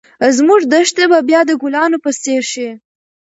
زموږ دښتې به بیا د ګلانو په څېر شي.